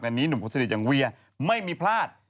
อันนี้หนุ่มคนสนิทอย่างเวียไม่มีพลาด